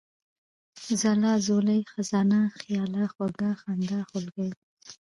ځلا ، ځولۍ ، خزانه ، خياله ، خوږه ، خندا ، خولگۍ ،